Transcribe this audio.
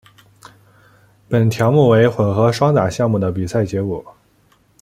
本条目为混合双打项目的比赛结果。